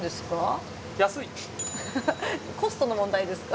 コストの問題ですか？